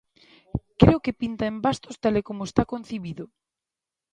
Creo que pinta en bastos tal e como está concibido.